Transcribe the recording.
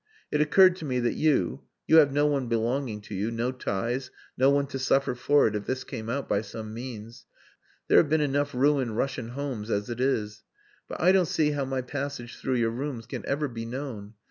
It occurred to me that you you have no one belonging to you no ties, no one to suffer for it if this came out by some means. There have been enough ruined Russian homes as it is. But I don't see how my passage through your rooms can be ever known.